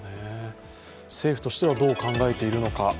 政府としてはどう考えているのか。